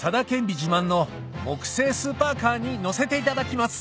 自慢の木製スーパーカーに乗せていただきます